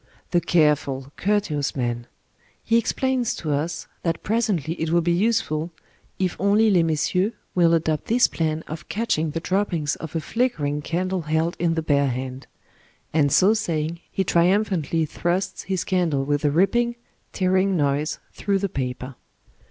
The careful, courteous man ! He explains to us that presently it will be useful, if only ^^ les messieurs " will adopt this plan of catching the droppings of a flickering candle held in the bare hand ; and so saying he triumphantly thrusts his candle with a ripping, tearing noise through the paper.